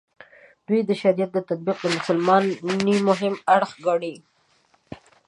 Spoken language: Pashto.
دوی د شریعت تطبیق د مسلمانۍ مهم اړخ ګڼي.